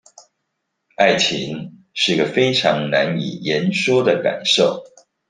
愛情是個非常難以言說的感受